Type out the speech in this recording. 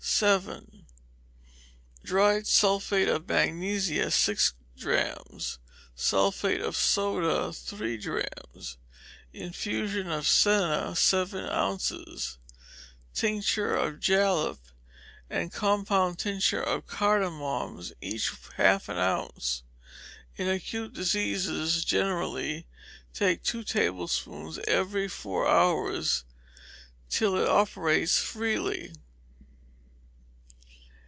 7. Dried sulphate of magnesia, six drachms; sulphate of soda, three drachms; infusion of senna, seven ounces; tincture of jalap, and compound tincture of cardamoms, each half an ounce: in acute diseases generally; take two tablespoonfuls every four hours till it operates freely.